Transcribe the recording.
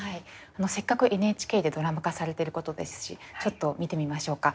せっかくＮＨＫでドラマ化されてることですしちょっと見てみましょうか。